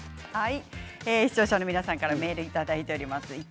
視聴者の皆さんからメールをいただいております。